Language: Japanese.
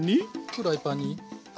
フライパンに油！